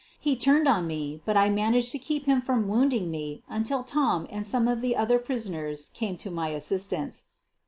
He turned on me, but I managed to keep him from wounding me until Tom and some of the other prisoners came to my assistance.